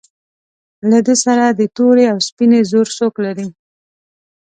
له ده سره د تورې او سپینې زور څوک لري.